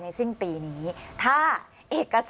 อันดับที่สุดท้าย